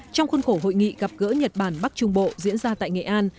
trong khuôn khổ hội nghị gặp gỡ nhật bản bắc trung bộ diễn ra tại nghệ an